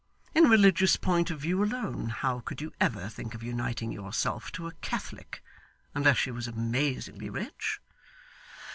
In a religious point of view alone, how could you ever think of uniting yourself to a Catholic, unless she was amazingly rich?